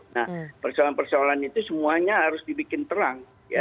nah persoalan persoalan itu semuanya harus dibikin terang